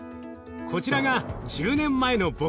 こちらが１０年前の僕。